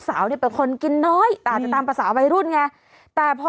สาวเนี้ยเป็นคนกินน้อยแต่จะตามประสาวใบรุ่นไงแต่พอ